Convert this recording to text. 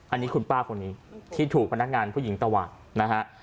อันนี้คุณป้าคนนี้ที่ถูกพนักงานผู้หญิงตวาดนะฮะ